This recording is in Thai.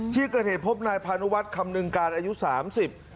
ที่เกิดเหตุพบนายพานุวัฒน์คำนึงการอายุสามสิบ